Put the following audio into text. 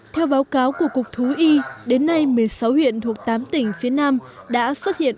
theo báo cáo của cục thú y đến nay một mươi sáu huyện thuộc tám tỉnh phía nam đã xuất hiện